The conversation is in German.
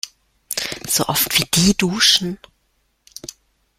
So oft, wie die duschen!